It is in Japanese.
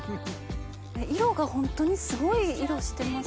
色がホントにすごい色してますよね。